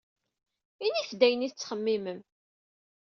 Init-d ayen ay tettxemmimem.